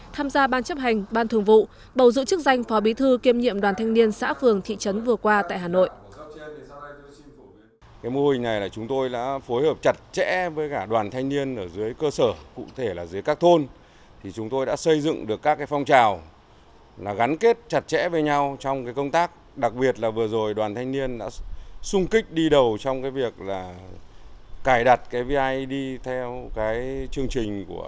tham gia ban chấp hành ban thường vụ bầu dự chức danh phó bí thư kiêm nhiệm đoàn thanh niên xã phường thị trấn vừa qua tại hà nội